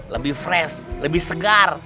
lebih fresh lebih segar